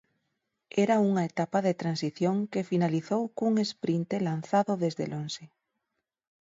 Era unha etapa de transición que finalizou cun esprinte lanzado desde lonxe.